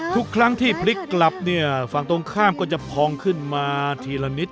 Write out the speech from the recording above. ทุกครั้งที่พลิกกลับเนี่ยฝั่งตรงข้ามก็จะพองขึ้นมาทีละนิด